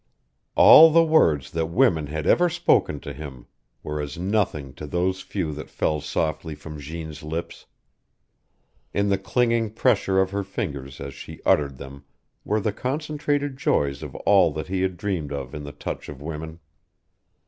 All the words that women had ever spoken to him were as nothing to those few that fell softly from Jeanne's lips; in the clinging pressure of her fingers as she uttered them were the concentrated joys of all that he had dreamed of in the touch of women.